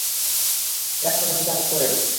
সেই রাক্ষস অনেক বেশী আসক্ত হয়ে গেল।